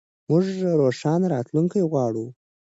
موږ روښانه راتلونکی غواړو.